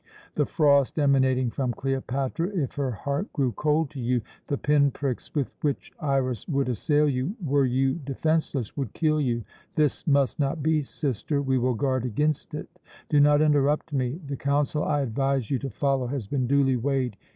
The frost emanating from Cleopatra, if her heart grew cold to you, the pin pricks with which Iras would assail you, were you defenceless, would kill you. This must not be, sister; we will guard against it Do not interrupt me. The counsel I advise you to follow has been duly weighed.